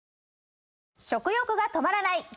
食欲が止まらない‼